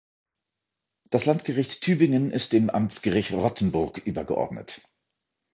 Das Landgericht Tübingen ist dem Amtsgericht Rottenburg übergeordnet.